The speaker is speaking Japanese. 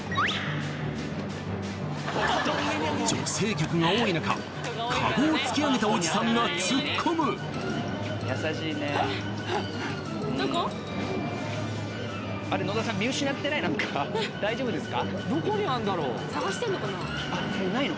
女性客が多い中カゴを突き上げたおじさんが突っ込むどれですか？